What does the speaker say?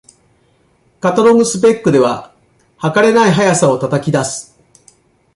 カタログスペックでは、はかれない速さを叩き出す